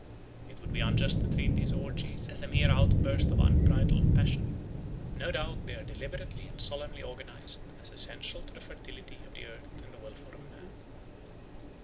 It would be unjust to treat these orgies as a mere outburst of unbridled passion; no doubt they are deliberately and solemnly organised as essential to the fertility of the earth and the welfare of man.